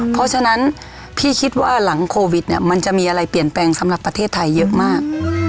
เพราะฉะนั้นพี่คิดว่าหลังโควิดเนี่ยมันจะมีอะไรเปลี่ยนแปลงสำหรับประเทศไทยเยอะมาก